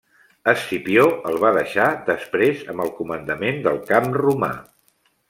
Escipió el va deixar després amb el comandament del camp romà.